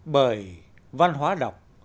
bởi văn hóa đọc